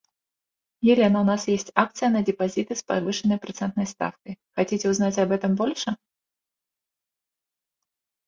Near Avezzano there are parks, valleys and cities.